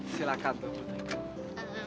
tidak ada yang bisa dipercayai